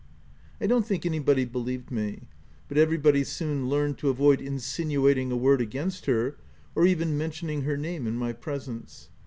I don't think anybody believed me : but everybody soon learned to avoid insinuating a word against her, or even mentioning her name in my presence.